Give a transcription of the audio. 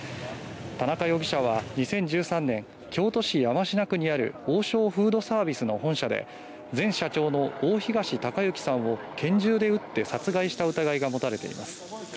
田中容疑者は２０１３年京都市山科区にある王将フードサービスの本社で前社長の大東隆行さんを拳銃で撃って殺害した疑いが持たれています。